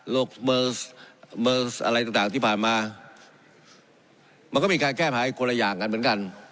อะไรต่างที่ผ่านมามันก็มีการแก้ภายคนละอย่างกันเหมือนกัน